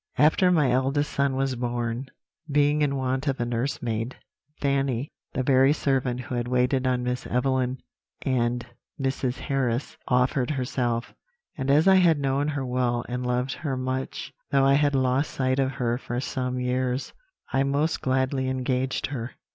After my eldest son was born, being in want of a nursemaid, Fanny, the very servant who had waited on Miss Evelyn and Mrs. Harris, offered herself; and as I had known her well and loved her much, though I had lost sight of her for some years, I most gladly engaged her.